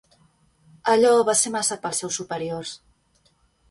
Allò va ser massa pels seus superiors.